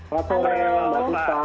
selamat sore mbak mita